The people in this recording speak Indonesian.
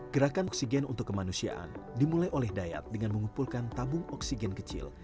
gerakan oksigen untuk kemanusiaan dimulai oleh dayat dengan mengumpulkan tabung oksigen kecil